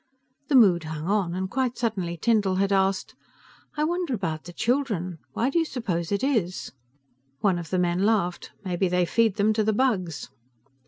The mood hung on, and quite suddenly Tyndall had asked, "I wonder about the children. Why do you suppose it is?" One of the men laughed, "Maybe they feed them to the Bugs."